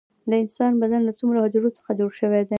د انسان بدن له څومره حجرو څخه جوړ شوی دی